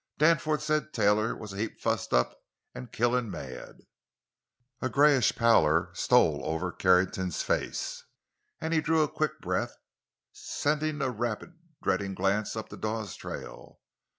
"Danforth said Taylor was a heap fussed up, an' killin' mad!" A grayish pallor stole over Carrington's face, and he drew a quick breath, sending a rapid, dreading glance up the Dawes trail.